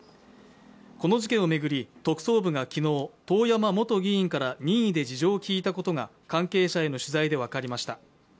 この事件を巡り、特捜部が昨日、遠山元議員から任意で事情を聴いたことが関係者への取材で分かりました。